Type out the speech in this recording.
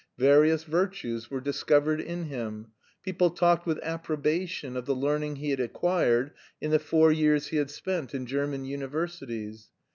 Various virtues were discovered in him. People talked with approbation of the learning he had acquired in the four years he had spent in German universities.